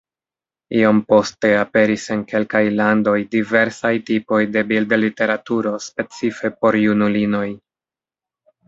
Iom poste aperis en kelkaj landoj diversaj tipoj de bildliteraturo specife por junulinoj.